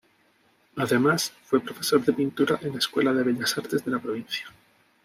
Además fue profesor de pintura en la Escuela de Bellas Artes de la provincia.